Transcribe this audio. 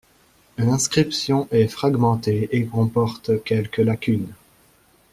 L'inscription est fragmentée et comporte quelques lacunes.